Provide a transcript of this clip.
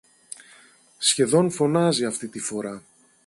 σχεδόν φωνάζει αυτή τη φορά